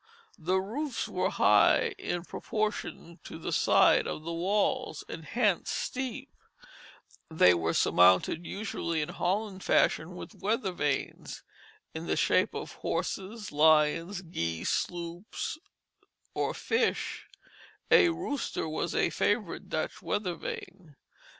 The roofs were high in proportion to the side walls, and hence steep; they were surmounted usually in Holland fashion with weather vanes in the shape of horses, lions, geese, sloops, or fish; a rooster was a favorite Dutch weather vane.